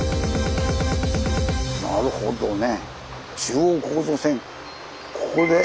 なるほどね。